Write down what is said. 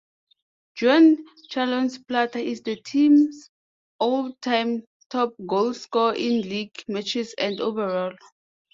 Juan Carlos Plata is the team's all-time top goalscorer in league matches and overall.